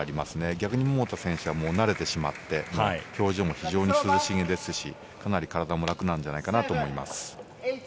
逆に桃田選手は慣れてしまって表情も非常に涼しげですしかなり体も楽なんじゃないかなと思います。